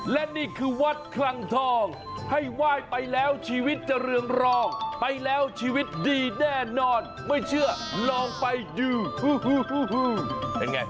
และนี่คือวัดคลังทองให้ไหว้ไปแล้วชีวิตจะเรืองรอง